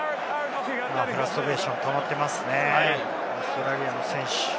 フラストレーションがたまっていますね、オーストラリアの選手。